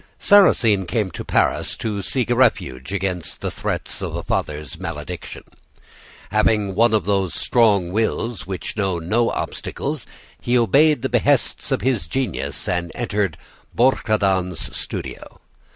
"Sarrasine came to Paris to seek a refuge against the threats of a father's malediction. Having one of those strong wills which know no obstacles, he obeyed the behests of his genius and entered Bouchardon's studio.